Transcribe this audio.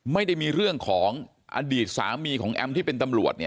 ไม่ได้มีเรื่องของอดีตสามีของแอมที่เป็นตำรวจ